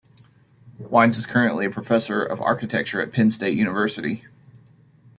Wines is currently a professor of architecture at Penn State University.